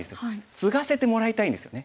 ツガせてもらいたいんですよね。